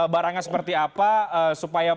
barangnya seperti apa supaya